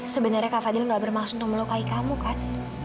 sebenarnya kak fadil gak bermaksud untuk melukai kamu kan